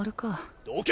・どけ！